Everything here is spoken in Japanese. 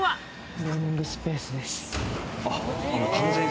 トレーニングスペースです。